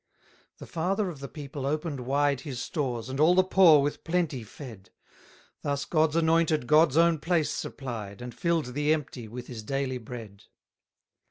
286 The father of the people open'd wide His stores, and all the poor with plenty fed: Thus God's anointed God's own place supplied, And fill'd the empty with his daily bread.